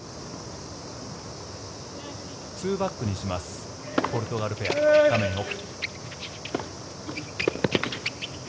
２バックにしますポルトガルペア、画面奥。